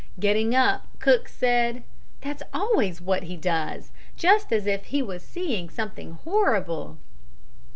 Getting up, Cook said: "That's always what he does, just as if he was seeing something horrible!"